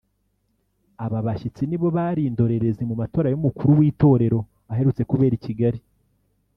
Aba bashyitsi nibo bari indorerezi mu matora y’Umukuru w’Itorero aherutse kubera i Kigali